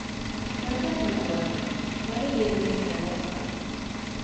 ბარდან მუღვა̄̈ნ, მარე ჲერვეშდ ალა̈ბ გარ.